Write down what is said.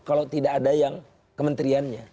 kalau tidak ada yang kementeriannya